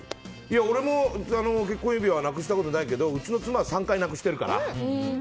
俺も結婚指輪なくしたことはないけどうちの妻は３回なくしているから。